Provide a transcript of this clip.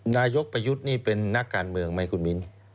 นายกประยุทธ์นี่เป็นนักการเมืองไหมคุณมิ้น